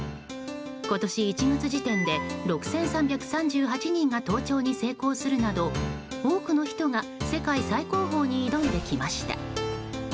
今年１月時点で６３３８人が登頂に成功するなど多くの人が世界最高峰に挑んできました。